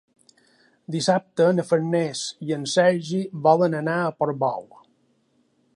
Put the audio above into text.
Dissabte na Farners i en Sergi volen anar a Portbou.